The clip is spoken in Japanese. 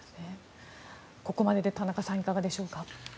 ここまでで田中さん、いかがでしょうか。